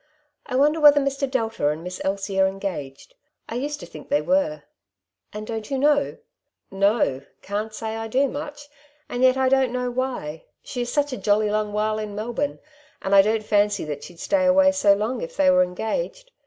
" I wonder whether Mr. Delta and Miss Elsie are engaged. I used to think they were." " And don't you know ?"'^ No ; can't say I do, much ; and yet I don't know why. She is such a jolly long while in Melbourne, and I don't fancy that she'd stay away so long if they were engaged.